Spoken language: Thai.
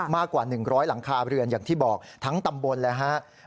มากกว่า๑๐๐หลังคาเรือนอย่างที่บอกทั้งตำบลเลยครับ